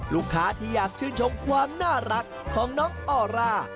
ลูกค้าที่อยากชื่นชมความน่ารักของน้องออร่า